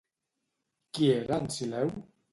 Qui era en Sileu?